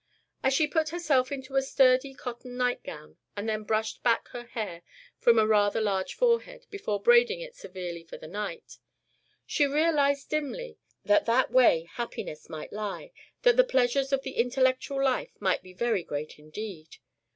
As she put herself into a sturdy cotton night gown and then brushed back her hair from a rather large forehead before braiding it severely for the night, she realised dimly that that way happiness might lie, that the pleasures of the intellectual life might be very great indeed.